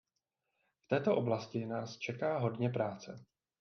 V této oblasti nás čeká hodně práce.